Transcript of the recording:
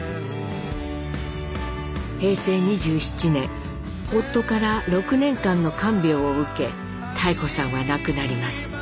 平成２７年夫から６年間の看病を受け妙子さんは亡くなります。